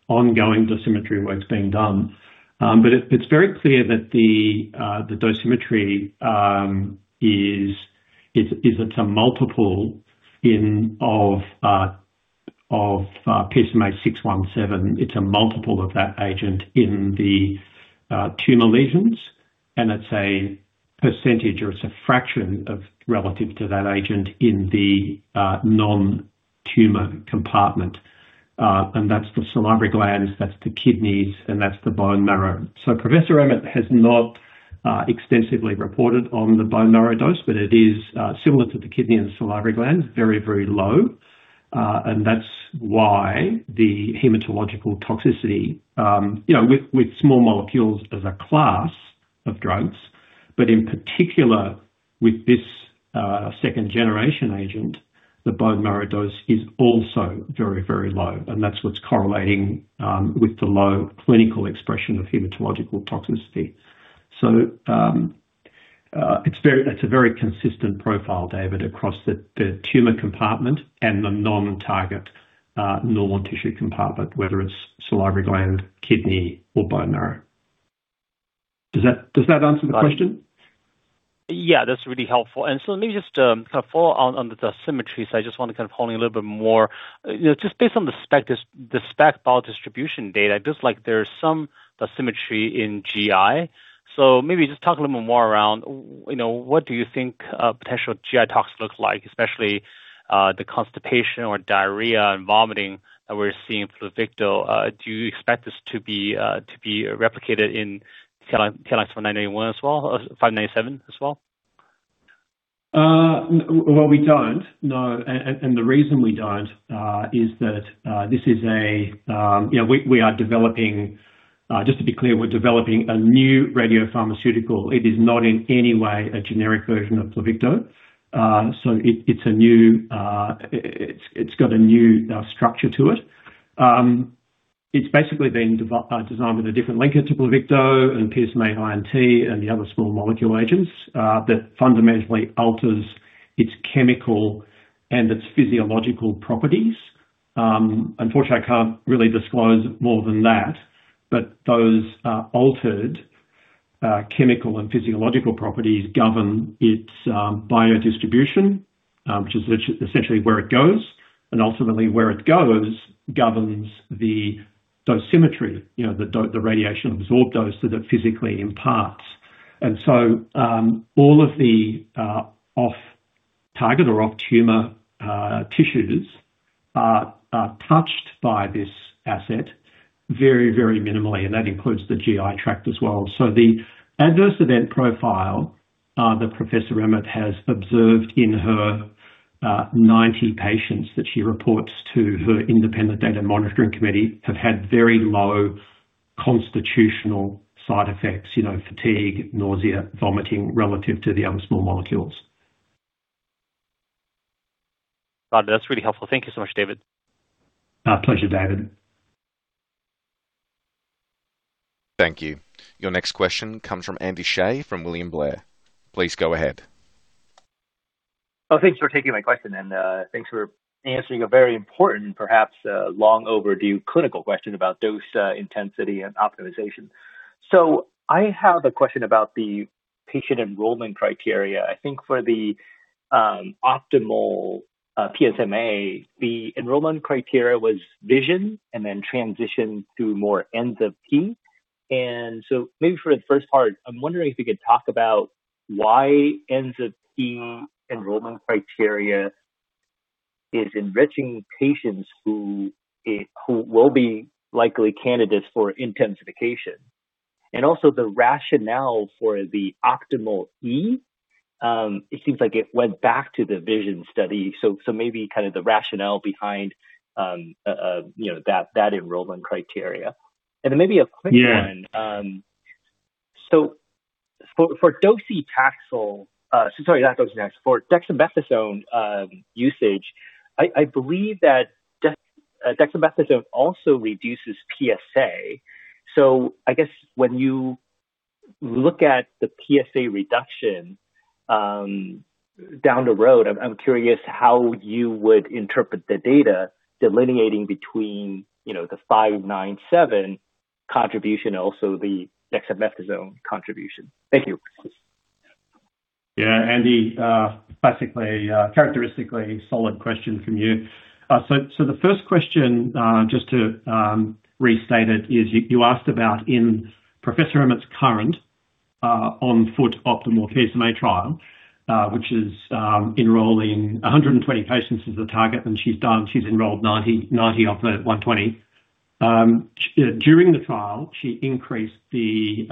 Speaker 3: Ongoing dosimetry work's being done. It's very clear that the dosimetry it's a multiple in of PSMA-617. It's a multiple of that agent in the tumor lesions, and it's a percentage or it's a fraction of relative to that agent in the non-tumor compartment. That's the salivary glands, that's the kidneys, and that's the bone marrow. Professor Emmett has not extensively reported on the bone marrow dose, but it is similar to the kidney and salivary glands, very low. That's why the hematological toxicity, you know, with small molecules as a class of drugs, but in particular with this second-generation agent. The bone marrow dose is also very, very low, and that's what's correlating with the low clinical expression of hematological toxicity. It's very, it's a very consistent profile, David, across the tumor compartment and the non-target normal tissue compartment, whether it's salivary gland, kidney or bone marrow. Does that, does that answer the question?
Speaker 5: Yeah, that's really helpful. Let me just kind of follow on under dosimetry. I just wanna kind of hone in a little bit more. You know, just based on the SPECT biodistribution data, it looks like there's some dosimetry in GI. Maybe just talk a little more around, you know, what do you think a potential GI tox looks like, especially the constipation or diarrhea and vomiting that we're seeing for Pluvicto. Do you expect this to be replicated in 597 as well?
Speaker 3: Well, we don't, no. The reason we don't is that, you know, we are developing, just to be clear, we're developing a new radiopharmaceutical. It is not in any way a generic version of Pluvicto. It's a new structure to it. It's basically been designed with a different linkage to Pluvicto and PSMA I&T and the other small molecule agents that fundamentally alters its chemical and its physiological properties. Unfortunately, I can't really disclose more than that. Those altered chemical and physiological properties govern its biodistribution, which is essentially where it goes, and ultimately where it goes governs the dosimetry, you know, the radiation absorbed dose that it physically imparts. All of the off-target or off-tumor tissues are touched by this asset very, very minimally, and that includes the GI tract as well. The adverse event profile that Professor Emmett has observed in her 90 patients that she reports to her independent data monitoring committee have had very low constitutional side effects, you know, fatigue, nausea, vomiting, relative to the other small molecules.
Speaker 5: Got it. That's really helpful. Thank you so much, David.
Speaker 3: Pleasure, David.
Speaker 1: Thank you. Your next question comes from Andy Hsieh from William Blair. Please go ahead.
Speaker 6: Thanks for taking my question, and thanks for answering a very important, perhaps, long-overdue clinical question about dose intensity and optimization. I have a question about the patient enrollment criteria. I think for the OPTIMAL-PSMA, the enrollment criteria was VISION and then transitioned to more ENZA-p. Maybe for the first part, I am wondering if you could talk about why ENZA-p enrollment criteria is enriching patients who will be likely candidates for intensification. Also the rationale for the OPTIMAL-E. It seems like it went back to the VISION study, maybe kind of the rationale behind, you know, that enrollment criteria. Maybe a quick one.
Speaker 3: Yeah.
Speaker 6: For docetaxel... Sorry, not docetaxel. For dexamethasone usage, I believe that dexamethasone also reduces PSA. I guess when you look at the PSA reduction down the road, I'm curious how you would interpret the data delineating between, you know, the 597 contribution and also the dexamethasone contribution. Thank you.
Speaker 3: Yeah, Andy, basically, characteristically solid question from you. The first question, just to restate it, is you asked about in Professor Emmett's current on-foot OPTIMAL-PSMA trial, which is enrolling 120 patients is the target, and she's done. She's enrolled 90 of the 120. During the trial, she increased the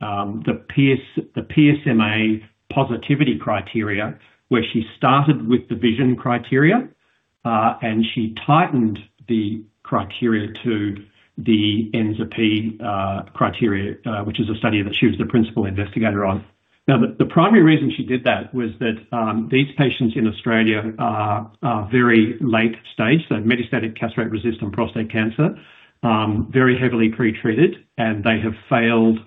Speaker 3: PSMA positivity criteria, where she started with the VISION criteria, and she tightened the criteria to the ENZA-p criteria, which is a study that she was the principal investigator on. The primary reason she did that was that these patients in Australia are very late-stage, so metastatic castration-resistant prostate cancer, very heavily pretreated, and they have failed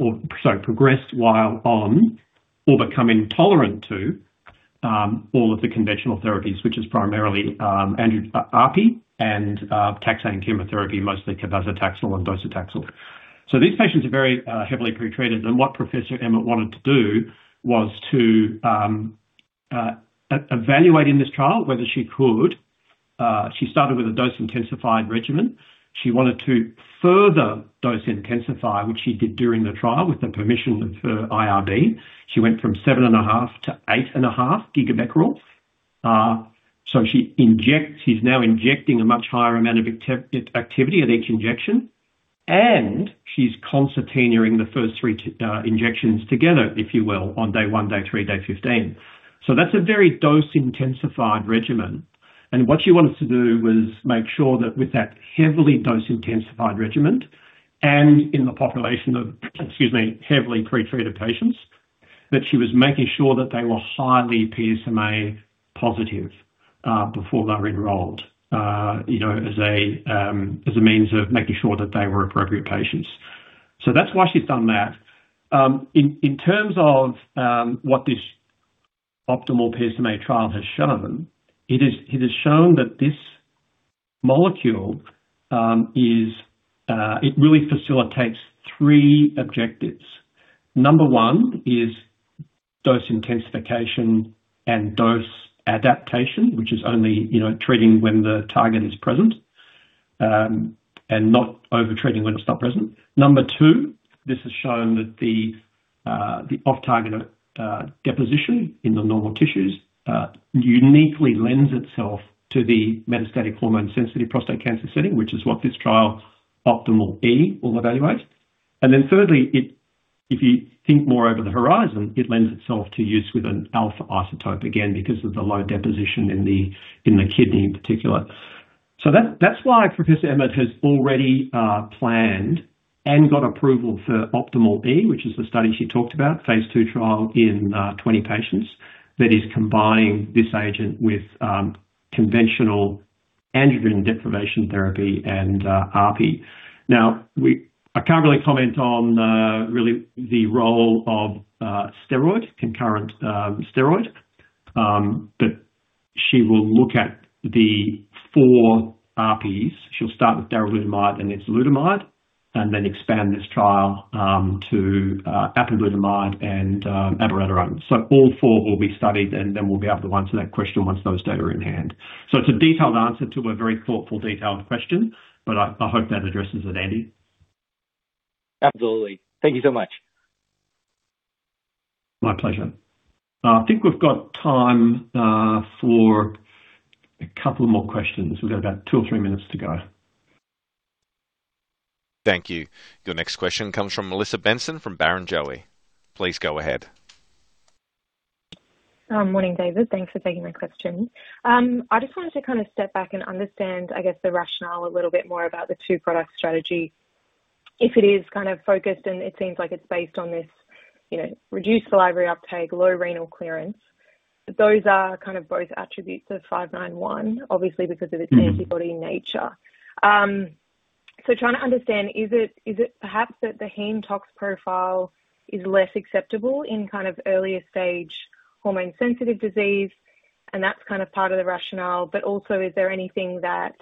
Speaker 3: or progressed while on or become intolerant to all of the conventional therapies, which is primarily ARPI and taxane chemotherapy, mostly cabazitaxel and docetaxel. These patients are very heavily pretreated. What Professor Emmett wanted to do was to evaluate in this trial. She started with a dose-intensified regimen. She wanted to further dose intensify, which she did during the trial with the permission of her IRB. She went from 7.5 to 8.5 GBq. She's now injecting a much higher amount of activity at each injection. She's concertinaing the first three injections together, if you will, on day one, day three, day 15. That's a very dose-intensified regimen. What she wanted to do was make sure that with that heavily dose-intensified regimen and in the population of, excuse me, heavily pretreated patients, that she was making sure that they were highly PSMA positive before they were enrolled, you know, as a means of making sure that they were appropriate patients. That's why she's done that. In terms of what this OPTIMAL-PSMA trial has shown, it has shown that this molecule is, it really facilitates three objectives. Number one is dose intensification and dose adaptation, which is only, you know, treating when the target is present and not over-treating when it's not present. Number two, this has shown that the off-target deposition in the normal tissues uniquely lends itself to the metastatic hormone-sensitive prostate cancer setting, which is what this trial OPTIMAL-E will evaluate. Thirdly, if you think more over the horizon, it lends itself to use with an alpha isotope, again, because of the low deposition in the kidney in particular. That's why Professor Emmett has already planned and got approval for OPTIMAL-E, which is the study she talked about, phase II trial in 20 patients that is combining this agent with conventional androgen deprivation therapy and ARPI. I can't really comment on really the role of concurrent steroid. She will look at the four ARPIs. She'll start with darolutamide and enzalutamide and then expand this trial to apalutamide and abiraterone. All four will be studied, and then we'll be able to answer that question once those data are in hand. It's a detailed answer to a very thoughtful, detailed question, but I hope that addresses it, Andy.
Speaker 6: Absolutely. Thank you so much.
Speaker 3: My pleasure. I think we've got time for a couple more questions. We've got about two or three minutes to go.
Speaker 1: Thank you. Your next question comes from Melissa Benson from Barrenjoey. Please go ahead.
Speaker 7: Morning, David. Thanks for taking my question. I just wanted to kind of step back and understand, I guess, the rationale a little bit more about the two-product strategy. If it is kind of focused, and it seems like it's based on this, you know, reduced delivery uptake, low renal clearance. Those are kind of both attributes of TLX591-Tx, obviously, because of its-
Speaker 3: Mm-hmm.
Speaker 7: -antibody nature. Trying to understand, is it perhaps that the hem tox profile is less acceptable in earlier stage hormone-sensitive disease, and that's part of the rationale? Is there anything that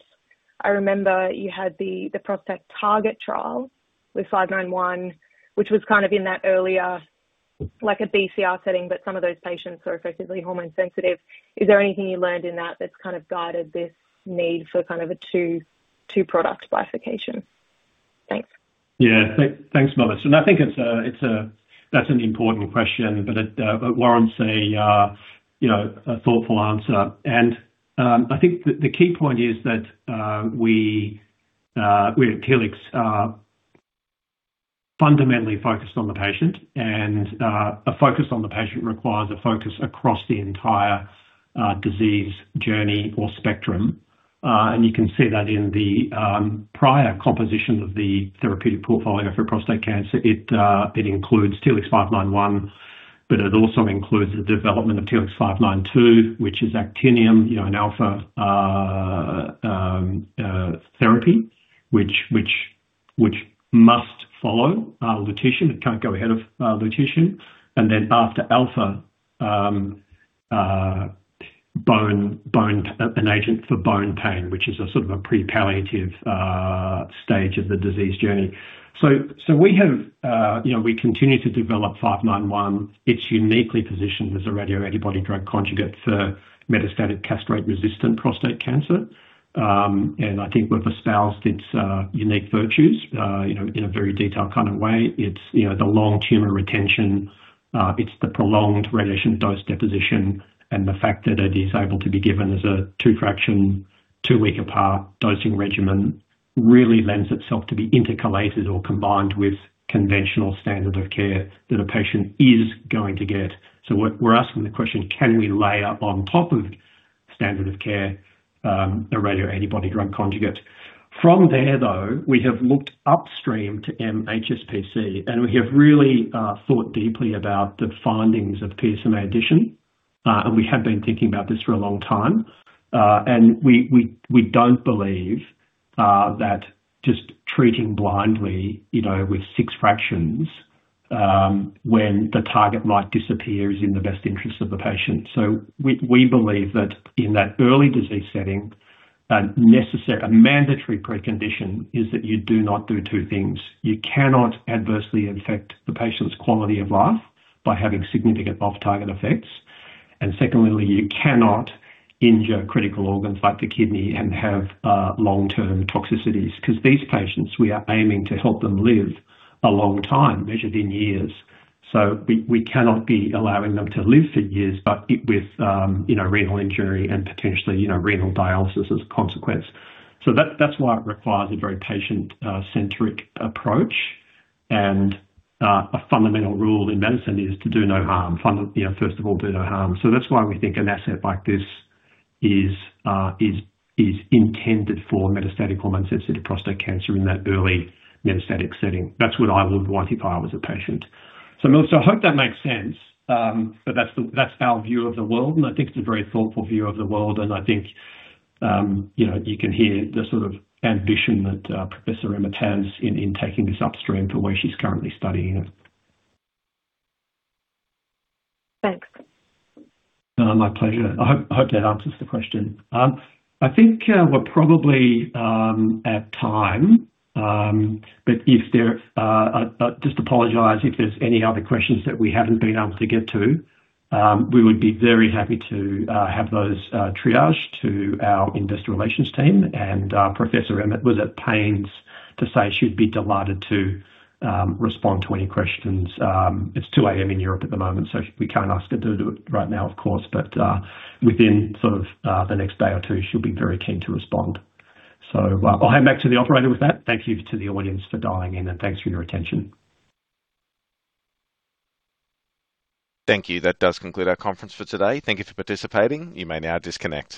Speaker 7: I remember you had the ProstACT TARGET trial with TLX591-Tx, which was in that earlier BCR setting, but some of those patients are effectively hormone sensitive. Is there anything you learned in that that's guided this need for a two-product bifurcation? Thanks.
Speaker 3: Thanks, Melissa. I think that's an important question, but it warrants a, you know, a thoughtful answer. I think the key point is that we at Telix are fundamentally focused on the patient, and a focus on the patient requires a focus across the entire disease journey or spectrum. You can see that in the prior compositions of the therapeutic portfolio for prostate cancer, it includes TLX591-Tx, but it also includes the development of TLX592-Tx, which is actinium, you know, an alpha therapy, which must follow lutetium. It can't go ahead of lutetium. After alpha, an agent for bone pain, which is a sort of a pre-palliative stage of the disease journey. We have, you know, we continue to develop TLX591-Tx. It's uniquely positioned as a radio antibody-drug conjugate for metastatic castration-resistant prostate cancer. I think we've espoused its unique virtues, you know, in a very detailed kind of way. It's, you know, the long tumor retention, the prolonged radiation dose deposition, and the fact that it is able to be given as a two-fraction, two-week apart dosing regimen really lends itself to be intercalated or combined with conventional standard of care that a patient is going to get. We're asking the question, can we layer on top of standard of care, a radio antibody-drug conjugate? From there, though, we have looked upstream to mHSPC, and we have really thought deeply about the findings of PSMAddition. We have been thinking about this for a long time. We don't believe that just treating blindly, you know, with six fractions, when the target might disappear is in the best interest of the patient. We believe that in that early disease setting, a mandatory precondition is that you do not do two things. You cannot adversely affect the patient's quality of life by having significant off-target effects. Secondly, you cannot injure critical organs like the kidney and have long-term toxicities because these patients, we are aiming to help them live a long time, measured in years. We cannot be allowing them to live for years, but it with, you know, renal injury and potentially, you know, renal dialysis as a consequence. That's why it requires a very patient-centric approach. A fundamental rule in medicine is to do no harm. You know, first of all, do no harm. That's why we think an asset like this is intended for metastatic hormone-sensitive prostate cancer in that early metastatic setting. That's what I would want if I was a patient. Melissa, I hope that makes sense. That's our view of the world, and I think it's a very thoughtful view of the world. I think, you know, you can hear the sort of ambition that Professor Emmett has in taking this upstream to where she's currently studying it.
Speaker 7: Thanks.
Speaker 3: My pleasure. I hope that answers the question. I think we're probably at time. I just apologize if there's any other questions that we haven't been able to get to. We would be very happy to have those triaged to our industrial relations team. Louise Emmett was at pains to say she'd be delighted to respond to any questions. It's 2:00 A.M. in Europe at the moment, we can't ask her to do it right now, of course, within sort of the next day or two, she'll be very keen to respond. I'll hand back to the operator with that. Thank you to the audience for dialing in, thanks for your attention.
Speaker 1: Thank you. That does conclude our conference for today. Thank you for participating.